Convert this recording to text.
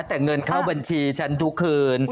แต่เงินเข้าบัญชีฉันทุกคืน